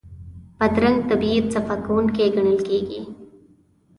بادرنګ طبعي صفا کوونکی ګڼل کېږي.